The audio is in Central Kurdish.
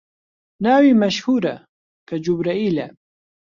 ناوی مەشهوورە، کە جوبرەئیلە